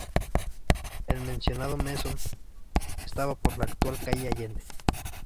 El mencionado mesón estaba por la actual calle Allende.